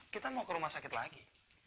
kita mau ke rumah sakit lagi